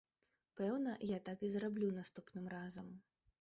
Пэўна, я так і зраблю наступным разам.